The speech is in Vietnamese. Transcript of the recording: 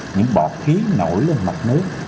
những bọt khí nổi lên mặt nước